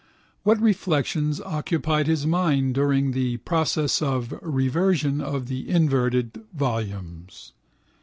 What reflections occupied his mind during the process of reversion of the inverted volumes?